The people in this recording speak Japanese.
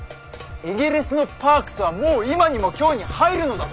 エゲレスのパークスはもう今にも京に入るのだぞ！